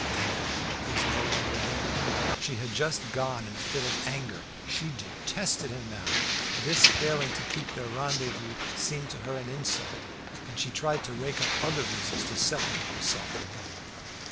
Emma was no longer there. She had just gone in a fit of anger. She detested him now. This failing to keep their rendezvous seemed to her an insult, and she tried to rake up other reasons to separate herself from him.